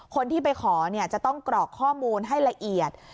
คนที่ไปขอจะต้องกรอกข้อมูลให้ละเอียด